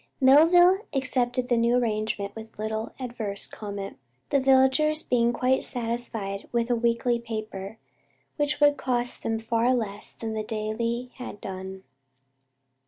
Millville accepted the new arrangement with little adverse comment, the villagers being quite satisfied with a weekly paper, which would cost them far less than the daily had done.